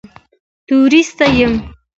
تورېست یم.